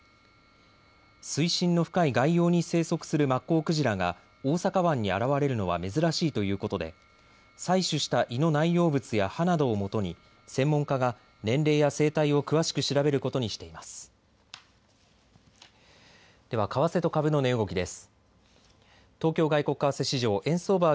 水深の深い外洋に生息するマッコウクジラが大阪湾に現れるのは珍しいということで採取した胃の内容物や歯などをもとに専門家が年齢や生態を詳しく調べることにしています。